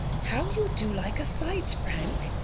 "How you do like a fight, Frank!"